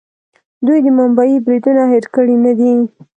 دوی د ممبۍ بریدونه هیر کړي نه دي.